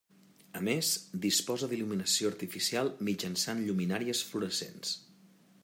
A més disposa d'il·luminació artificial mitjançant lluminàries fluorescents.